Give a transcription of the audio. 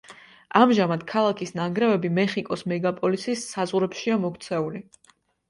ამჟამად ქალაქის ნანგრევები მეხიკოს მეგაპოლისის საზღვრებშია მოქცეული.